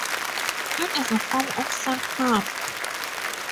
It is a form of self-harm.